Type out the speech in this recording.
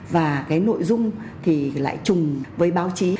và cái nội dung thì lại chùng với báo chí